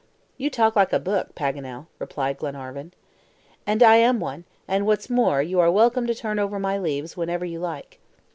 "You talk like a book, Paganel," replied Glenarvan. "And I am one; and what's more, you are welcome to turn over my leaves whenever you like."